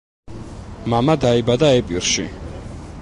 მამა დაიბადა ეპირში.